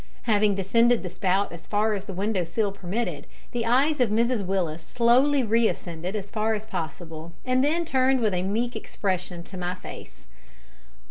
Having descended the spout as far as the window sill permitted, the eyes of Mrs Willis slowly reascended as far as possible, and then turned with a meek expression to my face.